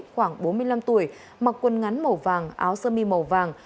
khoảng bốn mươi năm tuổi mặc quần ngắn màu vàng áo sơ mi màu vàng